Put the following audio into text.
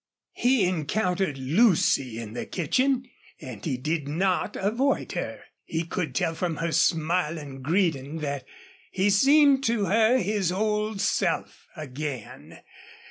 He encountered Lucy in the kitchen, and he did not avoid her. He could tell from her smiling greeting that he seemed to her his old self again.